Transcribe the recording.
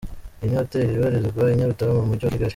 Iyi ni Hotel ibarizwa i Nyarutarama mu mujyi wa Kigali.